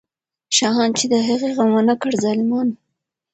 شاهان چې د هغې غم ونه کړ، ظالمان وو.